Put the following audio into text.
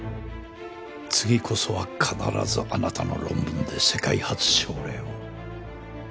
次こそは必ずあなたの論文で世界初症例を。